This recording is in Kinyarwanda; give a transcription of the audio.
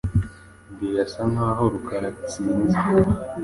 Birasa nkaho Rukara atsinze.